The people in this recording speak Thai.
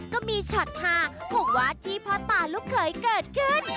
ก็มีช็อตฮาของวัดที่พ่อตาลูกเขยเกิดขึ้น